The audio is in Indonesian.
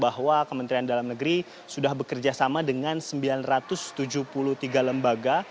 bahwa kementerian dalam negeri sudah bekerjasama dengan sembilan ratus tujuh puluh tiga lembaga